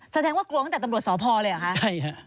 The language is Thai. แสดงว่ากลัวตั้งแต่ตำรวจสพเลยเหรอคะใช่ค่ะ